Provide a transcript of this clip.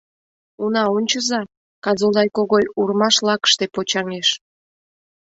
Уна ончыза, Казулай Когой урмаш лакыште почаҥеш!